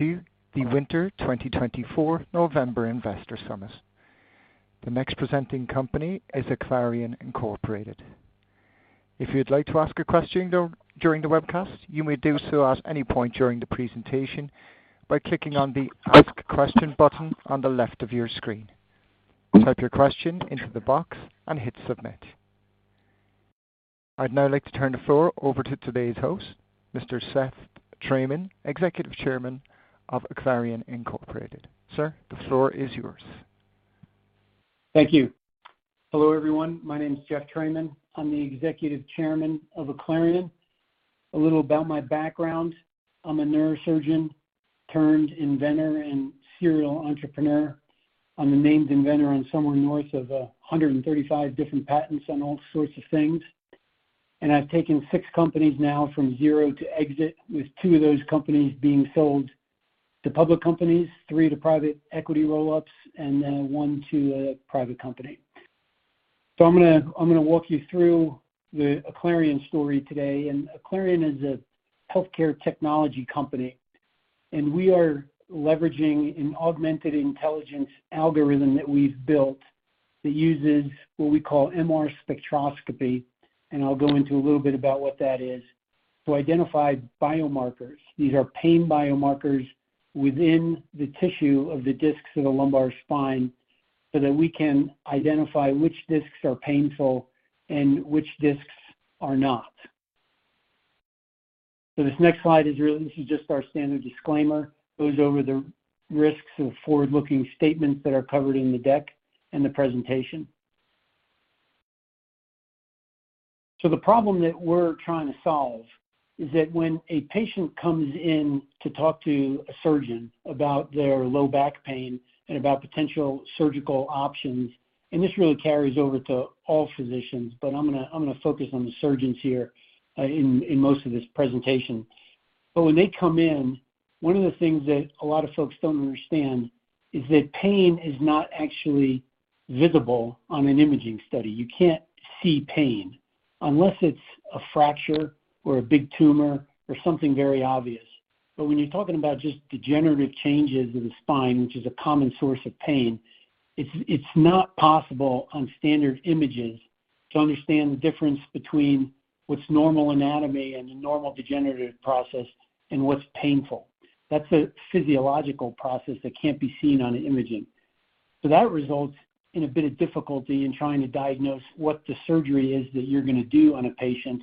To the Winter 2024 November Investor Summit. The next presenting company is Aclarion, Inc. If you'd like to ask a question during the webcast, you may do so at any point during the presentation by clicking on the Ask Question button on the left of your screen. Type your question into the box and hit Submit. I'd now like to turn the floor over to today's host, Mr. Jeff Thramann, Executive Chairman of Aclarion, Inc. Sir, the floor is yours. Thank you. Hello everyone. My name's Jeff Thramann. I'm the Executive Chairman of Aclarion. A little about my background: I'm a neurosurgeon turned inventor and serial entrepreneur. I'm a named inventor on somewhere north of 135 different patents on all sorts of things, and I've taken six companies now from zero to exit, with two of those companies being sold to public companies, three to private equity roll-ups, and one to a private company, so I'm going to walk you through the Aclarion story today. Aclarion is a healthcare technology company, and we are leveraging an augmented intelligence algorithm that we've built that uses what we call MR spectroscopy. I'll go into a little bit about what that is to identify biomarkers. These are pain biomarkers within the tissue of the discs of the lumbar spine so that we can identify which discs are painful and which discs are not. So this next slide is really, this is just our standard disclaimer. It goes over the risks of forward-looking statements that are covered in the deck and the presentation. So the problem that we're trying to solve is that when a patient comes in to talk to a surgeon about their low back pain and about potential surgical options, and this really carries over to all physicians, but I'm going to focus on the surgeons here in most of this presentation, but when they come in, one of the things that a lot of folks don't understand is that pain is not actually visible on an imaging study. You can't see pain unless it's a fracture or a big tumor or something very obvious. But when you're talking about just degenerative changes of the spine, which is a common source of pain, it's not possible on standard images to understand the difference between what's normal anatomy and a normal degenerative process and what's painful. That's a physiological process that can't be seen on imaging. So that results in a bit of difficulty in trying to diagnose what the surgery is that you're going to do on a patient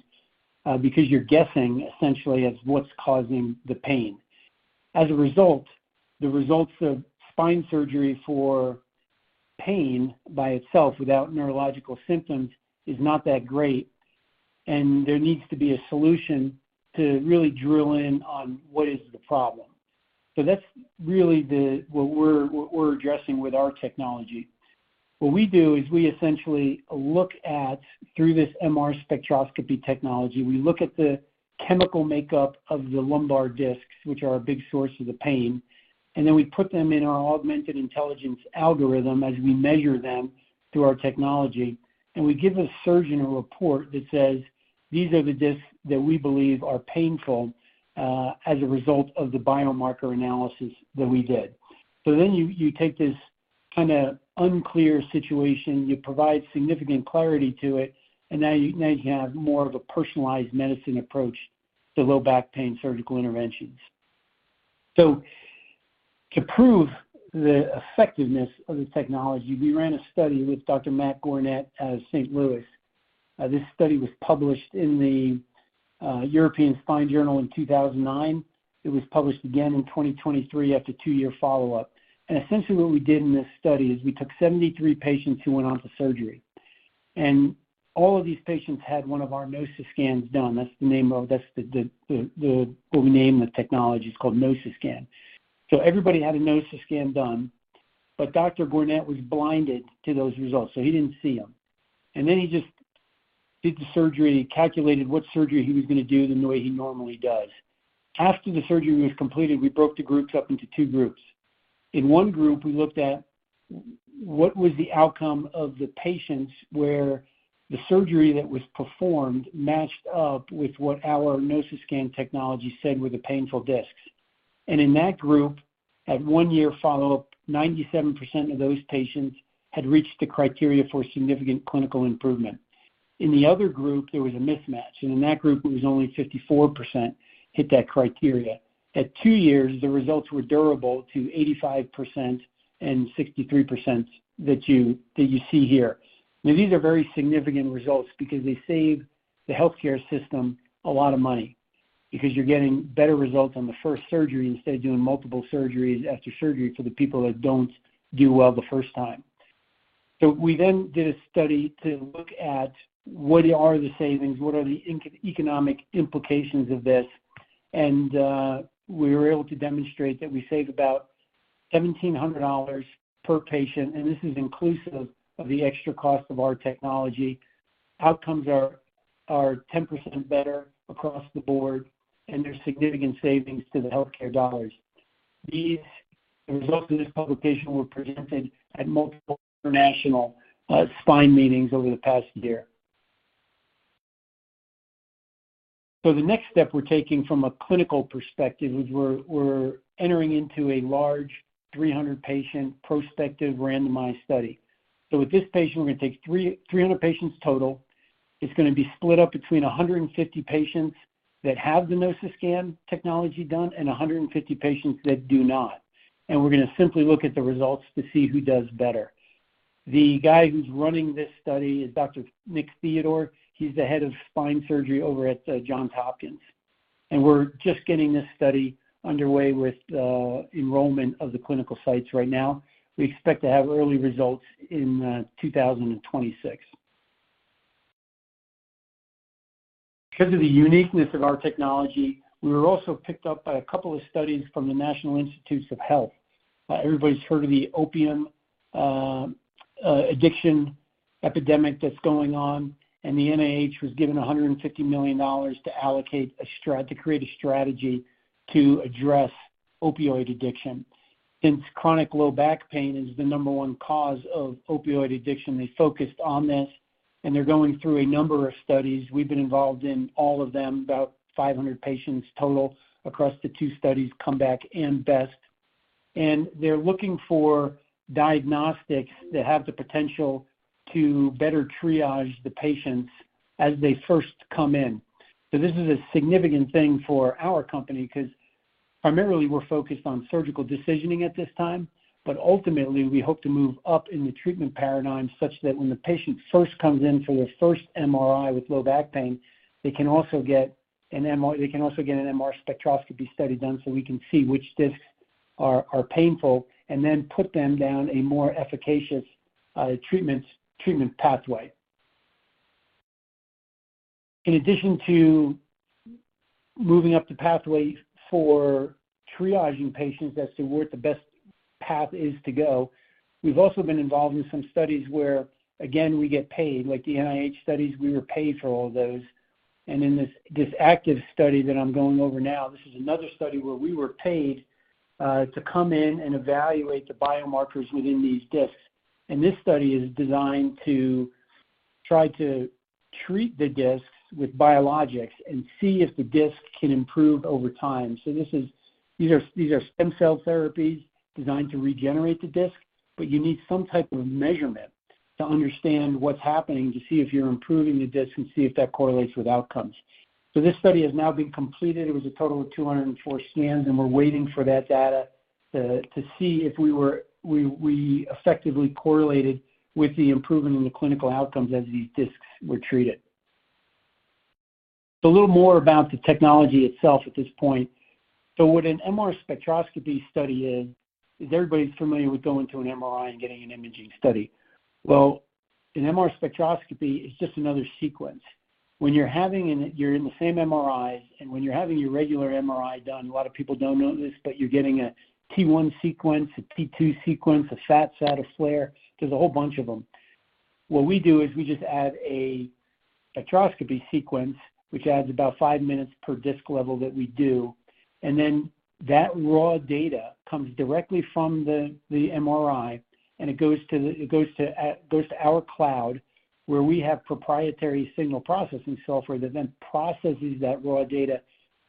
because you're guessing essentially as what's causing the pain. As a result, the results of spine surgery for pain by itself without neurological symptoms is not that great. And there needs to be a solution to really drill in on what is the problem. So that's really what we're addressing with our technology. What we do is we essentially look at, through this MR spectroscopy technology, we look at the chemical makeup of the lumbar discs, which are a big source of the pain. And then we put them in our augmented intelligence algorithm as we measure them through our technology. And we give a surgeon a report that says, "These are the discs that we believe are painful as a result of the biomarker analysis that we did." So then you take this kind of unclear situation, you provide significant clarity to it, and now you can have more of a personalized medicine approach to low back pain surgical interventions. So to prove the effectiveness of the technology, we ran a study with Dr. Matt Gornet at St. Louis. This study was published in the European Spine Journal in 2009. It was published again in 2023 after a two-year follow-up. And essentially what we did in this study is we took 73 patients who went on to surgery. And all of these patients had one of our Nociscan scans done. That's the name of—that's what we name the technology. It's called Nociscan. So everybody had a Nociscan done. But Dr. Gornet was blinded to those results, so he didn't see them. And then he just did the surgery, calculated what surgery he was going to do the way he normally does. After the surgery was completed, we broke the groups up into two groups. In one group, we looked at what was the outcome of the patients where the surgery that was performed matched up with what our Nociscan technology said were the painful discs. And in that group, at one-year follow-up, 97% of those patients had reached the criteria for significant clinical improvement. In the other group, there was a mismatch. And in that group, it was only 54% hit that criteria. At two years, the results were durable to 85% and 63% that you see here. Now, these are very significant results because they save the healthcare system a lot of money because you're getting better results on the first surgery instead of doing multiple surgeries after surgery for the people that don't do well the first time. So we then did a study to look at what are the savings, what are the economic implications of this. And we were able to demonstrate that we save about $1,700 per patient. And this is inclusive of the extra cost of our technology. Outcomes are 10% better across the board, and there's significant savings to the healthcare dollars. The results of this publication were presented at multiple international spine meetings over the past year. So the next step we're taking from a clinical perspective is we're entering into a large 300-patient prospective randomized study. So with this patient, we're going to take 300 patients total. It's going to be split up between 150 patients that have the Nociscan technology done and 150 patients that do not. And we're going to simply look at the results to see who does better. The guy who's running this study is Dr. Nicholas Theodore. He's the head of spine surgery over at Johns Hopkins. And we're just getting this study underway with enrollment of the clinical sites right now. We expect to have early results in 2026. Because of the uniqueness of our technology, we were also picked up by a couple of studies from the National Institutes of Health. Everybody's heard of the opioid addiction epidemic that's going on, and the NIH was given $150 million to create a strategy to address opioid addiction. Since chronic low back pain is the number one cause of opioid addiction, they focused on this, and they're going through a number of studies. We've been involved in all of them, about 500 patients total across the two studies, BACPAC and BEST, and they're looking for diagnostics that have the potential to better triage the patients as they first come in, so this is a significant thing for our company because primarily we're focused on surgical decisioning at this time. But ultimately, we hope to move up in the treatment paradigm such that when the patient first comes in for their first MRI with low back pain, they can also get an MRI, they can also get an MR spectroscopy study done so we can see which discs are painful and then put them down a more efficacious treatment pathway. In addition to moving up the pathway for triaging patients as to where the best path is to go, we've also been involved in some studies where, again, we get paid. Like the NIH studies, we were paid for all of those. And in this active study that I'm going over now, this is another study where we were paid to come in and evaluate the biomarkers within these discs. This study is designed to try to treat the discs with biologics and see if the disc can improve over time. These are stem cell therapies designed to regenerate the disc, but you need some type of measurement to understand what's happening to see if you're improving the disc and see if that correlates with outcomes. This study has now been completed. It was a total of 204 scans, and we're waiting for that data to see if we effectively correlated with the improvement in the clinical outcomes as these discs were treated. A little more about the technology itself at this point. What an MR spectroscopy study is everybody's familiar with going to an MRI and getting an imaging study. Well, an MR spectroscopy is just another sequence. You're having your MRI, you're in the same MRI, and when you're having your regular MRI done, a lot of people don't know this, but you're getting a T1 sequence, a T2 sequence, a Fat Sat. There's a whole bunch of them. What we do is we just add a spectroscopy sequence, which adds about five minutes per disc level that we do. And then that raw data comes directly from the MRI, and it goes to our cloud where we have proprietary signal processing software that then processes that raw data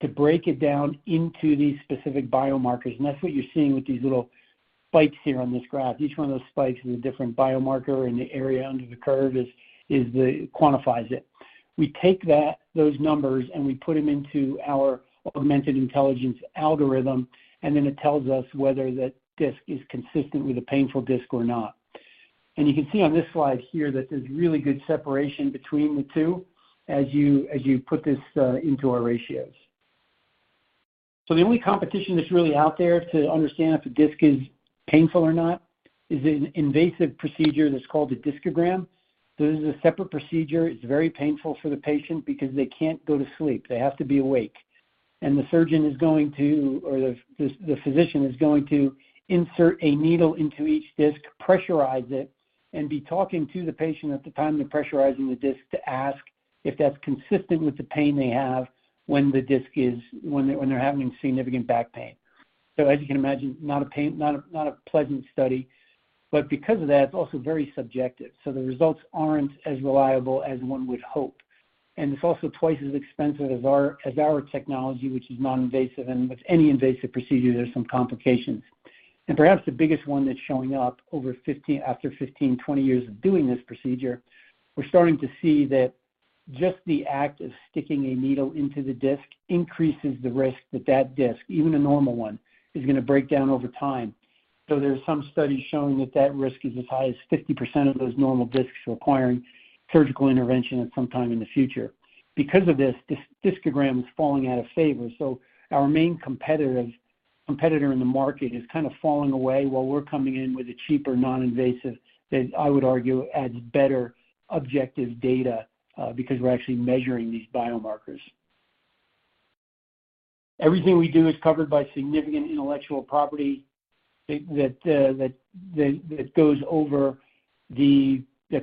to break it down into these specific biomarkers. And that's what you're seeing with these little spikes here on this graph. Each one of those spikes is a different biomarker in the area under the curve that quantifies it. We take those numbers and we put them into our augmented intelligence algorithm, and then it tells us whether that disc is consistent with a painful disc or not. And you can see on this slide here that there's really good separation between the two as you put this into our ratios. So the only competition that's really out there to understand if a disc is painful or not is an invasive procedure that's called a discogram. So this is a separate procedure. It's very painful for the patient because they can't go to sleep. They have to be awake. And the surgeon is going to—or the physician is going to insert a needle into each disc, pressurize it, and be talking to the patient at the time they're pressurizing the disc to ask if that's consistent with the pain they have when they're having significant back pain. As you can imagine, not a pleasant study. But because of that, it's also very subjective. So the results aren't as reliable as one would hope. And it's also twice as expensive as our technology, which is non-invasive. And with any invasive procedure, there's some complications. And perhaps the biggest one that's showing up after 15-20 years of doing this procedure, we're starting to see that just the act of sticking a needle into the disc increases the risk that that disc, even a normal one, is going to break down over time. So there's some studies showing that that risk is as high as 50% of those normal discs requiring surgical intervention at some time in the future. Because of this, discogram is falling out of favor. So our main competitor in the market is kind of falling away while we're coming in with a cheaper non-invasive that I would argue adds better objective data because we're actually measuring these biomarkers. Everything we do is covered by significant intellectual property that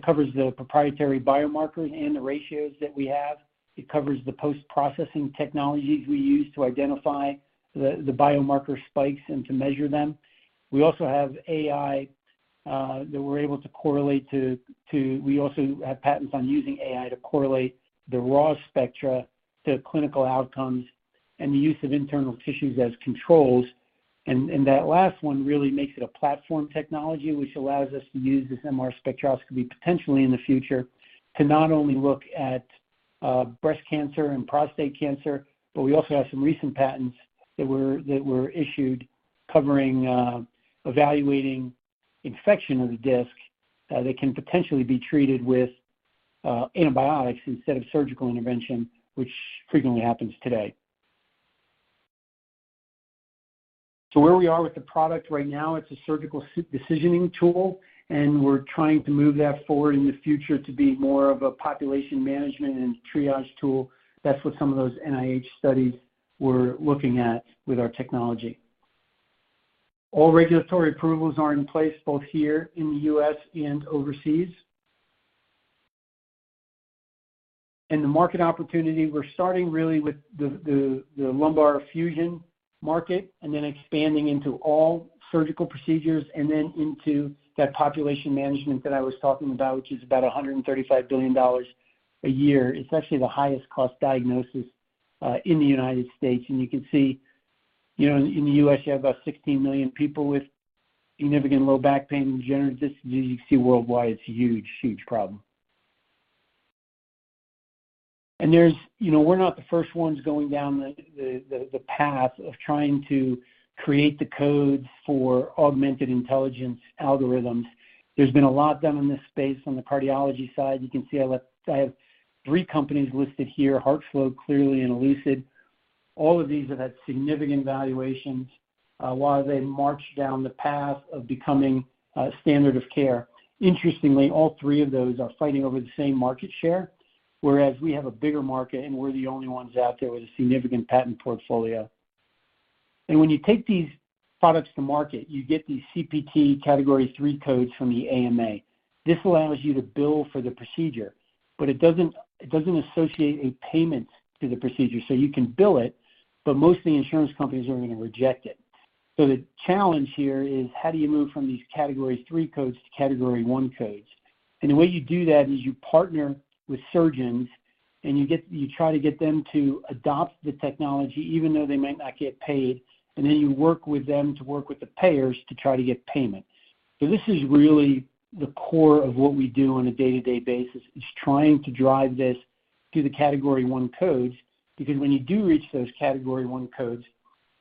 covers the proprietary biomarkers and the ratios that we have. It covers the post-processing technologies we use to identify the biomarker spikes and to measure them. We also have AI that we're able to correlate to. We also have patents on using AI to correlate the raw spectra to clinical outcomes and the use of internal tissues as controls. That last one really makes it a platform technology, which allows us to use this MR spectroscopy potentially in the future to not only look at breast cancer and prostate cancer, but we also have some recent patents that were issued covering evaluating infection of the disc that can potentially be treated with antibiotics instead of surgical intervention, which frequently happens today. Where we are with the product right now, it's a surgical decisioning tool, and we're trying to move that forward in the future to be more of a population management and triage tool. That's what some of those NIH studies we're looking at with our technology. All regulatory approvals are in place both here in the U.S. and overseas. The market opportunity, we're starting really with the lumbar fusion market and then expanding into all surgical procedures and then into that population management that I was talking about, which is about $135 billion a year. It's actually the highest-cost diagnosis in the United States. You can see in the U.S., you have about 16 million people with significant low back pain and degenerative disc disease. You can see worldwide, it's a huge, huge problem. We're not the first ones going down the path of trying to create the codes for augmented intelligence algorithms. There's been a lot done in this space on the cardiology side. You can see I have three companies listed here: HeartFlow, Cleerly, and Elucid. All of these have had significant valuations while they marched down the path of becoming standard of care. Interestingly, all three of those are fighting over the same market share, whereas we have a bigger market and we're the only ones out there with a significant patent portfolio. And when you take these products to market, you get these CPT Category III codes from the AMA. This allows you to bill for the procedure, but it doesn't associate a payment to the procedure. So you can bill it, but most of the insurance companies are going to reject it. So the challenge here is how do you move from these Category III codes to Category I codes? And the way you do that is you partner with surgeons and you try to get them to adopt the technology even though they might not get paid. And then you work with them to work with the payers to try to get payment. So this is really the core of what we do on a day-to-day basis is trying to drive this through the Category I codes because when you do reach those Category I codes,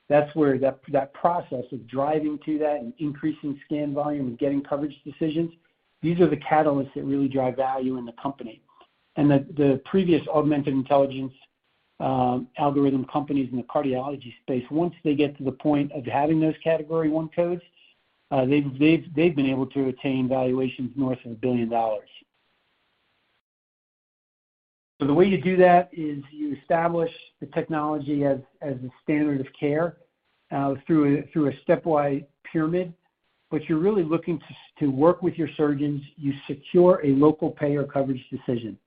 that's where that process of driving to that and increasing scan volume and getting coverage decisions, these are the catalysts that really drive value in the company. And the previous augmented intelligence algorithm companies in the cardiology space, once they get to the point of having those Category I codes, they've been able to attain valuations north of $1 billion. So the way you do that is you establish the technology as a standard of care through a stepwise pyramid, but you're really looking to work with your surgeons. You secure a local payer coverage decision.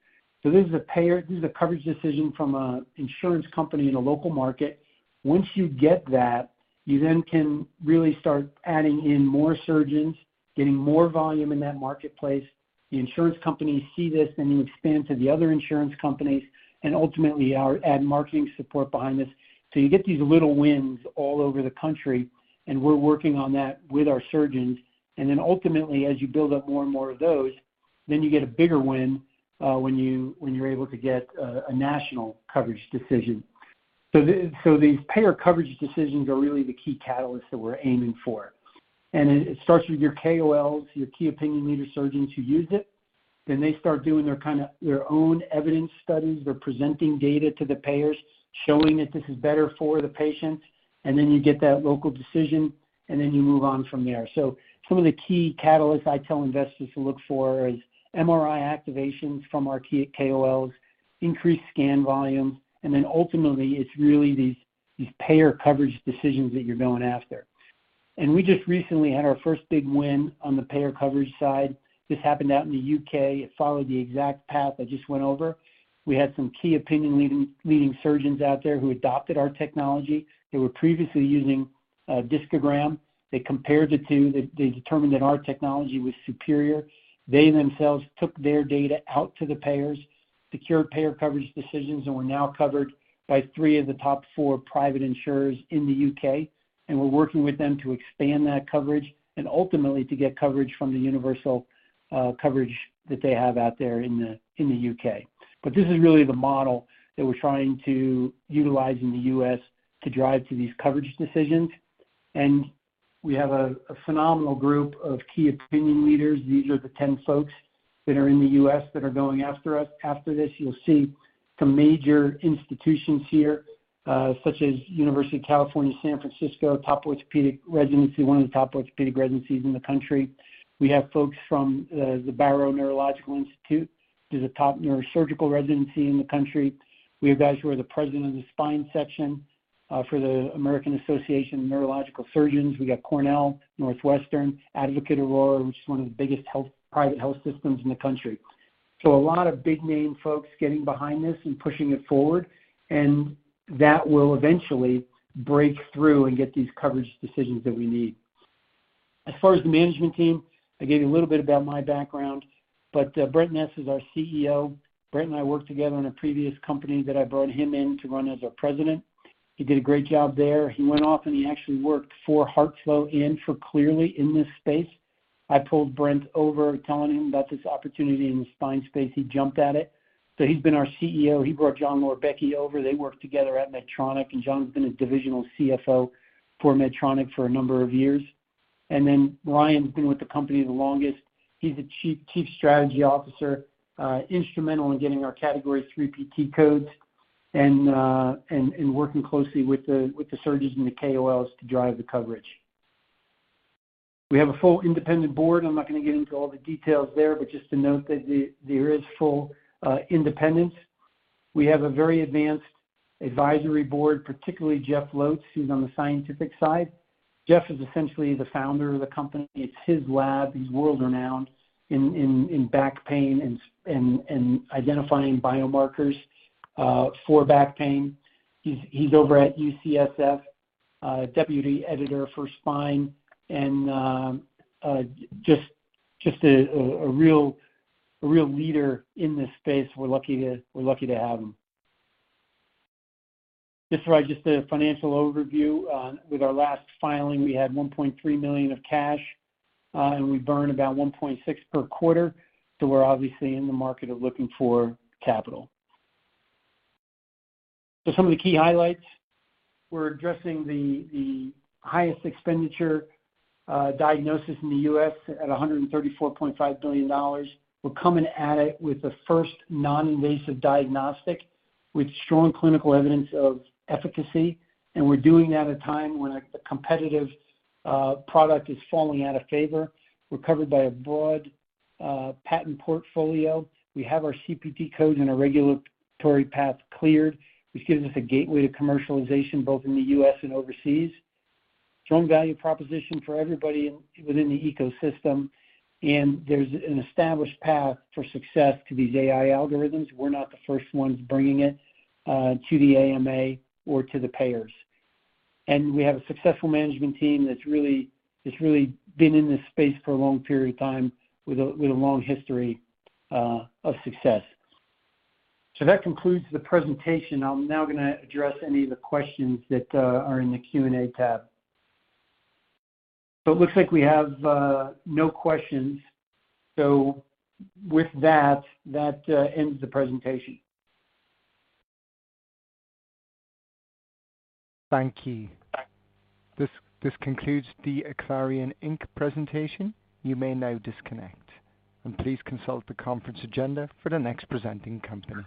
So this is a coverage decision from an insurance company in a local market. Once you get that, you then can really start adding in more surgeons, getting more volume in that marketplace. The insurance companies see this, then you expand to the other insurance companies and ultimately add marketing support behind this, so you get these little wins all over the country, and we're working on that with our surgeons, and then ultimately, as you build up more and more of those, then you get a bigger win when you're able to get a national coverage decision, so these payer coverage decisions are really the key catalysts that we're aiming for, and it starts with your KOLs, your key opinion leader surgeons who use it, then they start doing their own evidence studies. They're presenting data to the payers showing that this is better for the patients, and then you get that local decision, and then you move on from there. Some of the key catalysts I tell investors to look for are MRI activations from our KOLs, increased scan volumes, and then ultimately, it's really these payer coverage decisions that you're going after. We just recently had our first big win on the payer coverage side. This happened out in the U.K. It followed the exact path I just went over. We had some key opinion leader surgeons out there who adopted our technology. They were previously using discogram. They compared the two. They determined that our technology was superior. They themselves took their data out to the payers, secured payer coverage decisions, and we're now covered by three of the top four private insurers in the U.K. We're working with them to expand that coverage and ultimately to get coverage from the universal coverage that they have out there in the U.K. But this is really the model that we're trying to utilize in the U.S. to drive to these coverage decisions. And we have a phenomenal group of key opinion leaders. These are the 10 folks that are in the U.S. that are going after us. After this, you'll see some major institutions here such as University of California, San Francisco, top orthopedic residency, one of the top orthopedic residencies in the country. We have folks from the Barrow Neurological Institute, which is a top neurosurgical residency in the country. We have guys who are the president of the spine section for the American Association of Neurological Surgeons. We got Cornell, Northwestern, Advocate Aurora, which is one of the biggest private health systems in the country. A lot of big-name folks are getting behind this and pushing it forward, and that will eventually break through and get these coverage decisions that we need. As far as the management team, I gave you a little bit about my background, but Brent Ness is our CEO. Brent and I worked together in a previous company that I brought him in to run as our president. He did a great job there. He went off and he actually worked for HeartFlow and for Cleerly in this space. I pulled Brent over, telling him about this opportunity in the spine space. He jumped at it. So he's been our CEO. He brought John Lubisich over. They worked together at Medtronic, and John's been a divisional CFO for Medtronic for a number of years. And then Ryan's been with the company the longest. He's the Chief Strategy Officer, instrumental in getting our Category III CPT codes and working closely with the surgeons and the KOLs to drive the coverage. We have a full independent board. I'm not going to get into all the details there, but just to note that there is full independence. We have a very advanced advisory board, particularly Jeff Lotz, who's on the scientific side. Jeff is essentially the founder of the company. It's his lab. He's world-renowned in back pain and identifying biomarkers for back pain. He's over at UCSF, deputy editor for spine, and just a real leader in this space. We're lucky to have him. Just a financial overview. With our last filing, we had $1.3 million of cash, and we burned about $1.6 million per quarter. So we're obviously in the market of looking for capital. So some of the key highlights, we're addressing the highest expenditure diagnosis in the U.S. at $134.5 billion. We're coming at it with a first non-invasive diagnostic with strong clinical evidence of efficacy. And we're doing that at a time when the competitive product is falling out of favor. We're covered by a broad patent portfolio. We have our CPT codes and our regulatory path cleared, which gives us a gateway to commercialization both in the U.S. and overseas. Strong value proposition for everybody within the ecosystem. And there's an established path for success to these AI algorithms. We're not the first ones bringing it to the AMA or to the payers. And we have a successful management team that's really been in this space for a long period of time with a long history of success. So that concludes the presentation. I'm now going to address any of the questions that are in the Q&A tab. So it looks like we have no questions. So with that, that ends the presentation. Thank you. This concludes the Aclarion, Inc. presentation. You may now disconnect and please consult the conference agenda for the next presenting company.